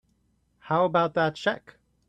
How about that check?